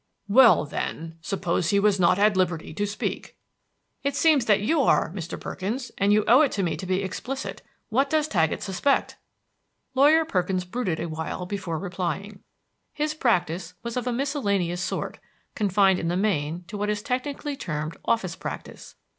"Well, then, suppose he was not at liberty to speak." "It seems that you are, Mr. Perkins, and you owe it to me to be explicit. What does Taggett suspect?" Lawyer Perkins brooded a while before replying. His practice was of a miscellaneous sort, confined in the main to what is technically termed office practice.